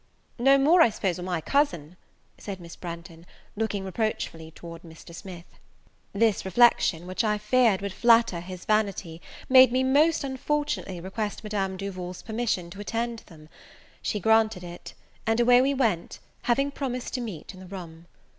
"No more, I suppose, will my cousin," said Miss Branghton, looking reproachfully towards Mr. Smith. This reflection, which I feared would flatter his vanity, made me most unfortunately request Madame Duval's permission to attend them. She granted it; and away we went, having promised to meet in the room.